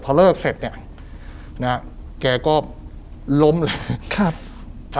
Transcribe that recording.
พอเลิกเสร็จแกก็ล้มเลย